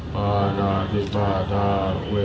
อธินาธาเวระมะนิสิขาปะทังสมาธิยามี